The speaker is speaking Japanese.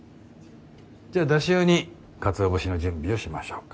じゃあだし用にかつお節の準備をしましょうか。